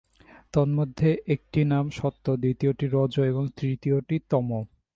তন্মধ্যে একটির নাম সত্ত্ব, দ্বিতীয়টি রজ এবং তৃতীয়টি তমঃ।